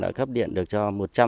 đã cấp điện được cho một trăm linh